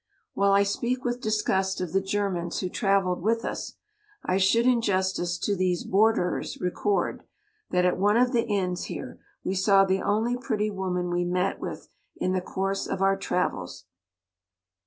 While I speak with disgust of the Germans who travelled with us, I should in justice to these borderers record, that at one of the inns here we saw the only pretty woman we met with in the course of our travels.